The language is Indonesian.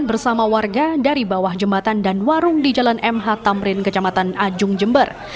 bersama warga dari bawah jembatan dan warung di jalan mh tamrin kecamatan ajung jember